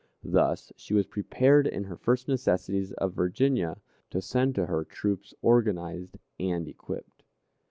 Thus she was prepared in the first necessities of Virginia to send to her troops organized and equipped.